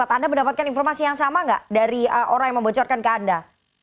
anda mendapatkan informasi yang sama nggak dari orang yang membocorkan ke anda